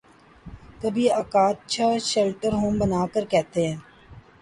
کبھی اکا دکا شیلٹر ہوم بنا کر کہتے ہیں۔